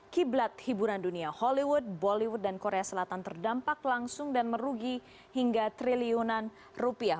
kiblat hiburan dunia hollywood bollywood dan korea selatan terdampak langsung dan merugi hingga triliunan rupiah